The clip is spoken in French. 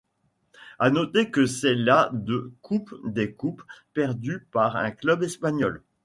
À noter que c'est la de Coupe des Coupes perdue par un club espagnol.